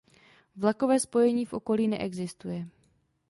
Vlakové spojení v okolí neexistuje.